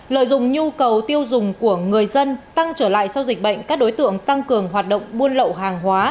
lợi dụng nhu cầu tiêu dùng của người dân tăng trở lại sau dịch bệnh các đối tượng tăng cường hoạt động buôn lậu hàng hóa